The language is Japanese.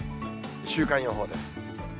週間予報です。